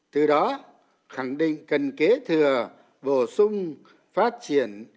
từ đó khẳng định cần kế thừa bổ sung phát triển